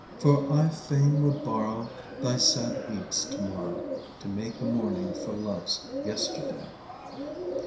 For I fain would borrow Thy sad weeds to morrow, To make a mourning for love's yesterday.